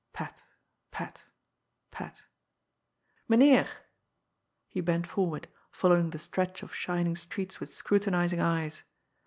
Pat! Pat! Pat! " Mynheer !" He bent forward, following the stretch of shining streets with scrutinizing eyes.